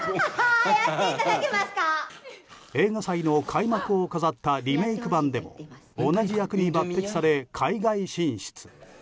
映画祭の開幕を飾ったリメイク版でも同じ役に抜擢され、海外進出。